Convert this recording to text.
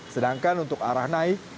sedangkan untuk arah naik